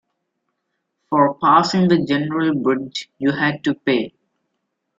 For passing the general bridge, you had to pay.